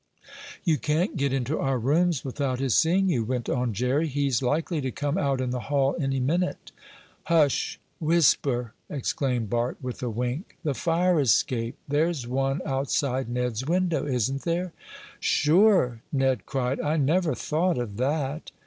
"You can't get into our rooms without his seeing you," went on Jerry. "He's likely to come out in the hall any minute." "Hush! Whisper!" exclaimed Bart, with a wink. "The fire escape! There's one outside Ned's window; isn't there?" "Sure!" Ned cried. "I never thought of that."